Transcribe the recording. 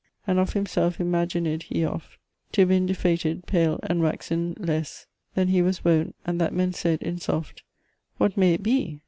"And of himselfe imaginid he ofte To ben defaitid, pale and woxin lesse Than he was wonte, and that men saidin softe, What may it be?